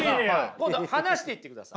今度は離していってください。